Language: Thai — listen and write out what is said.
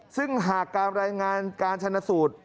ซึ่งหากการรายงานการชนะสูตร